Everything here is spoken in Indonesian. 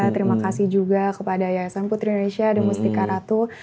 terima kasih juga kepada yayasan putri indonesia ada mustika ratu